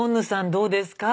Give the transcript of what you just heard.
どうですか？